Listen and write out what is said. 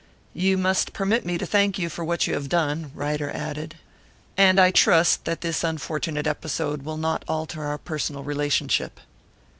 "You must permit me to thank you for what you have done," Ryder added. "And I trust that this unfortunate episode will not alter our personal relationship."